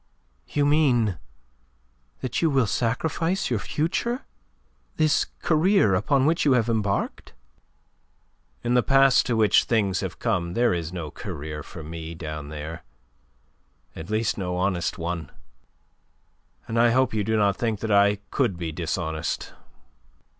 "You mean... that you will sacrifice your future, this career upon which you have embarked?" It took her breath away. "In the pass to which things have come there is no career for me down there at least no honest one. And I hope you do not think that I could be dishonest.